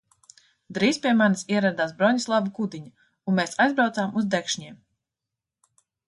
Drīz pie manis ieradās Broņislava Kudiņa, un mēs aizbraucām uz Dekšņiem.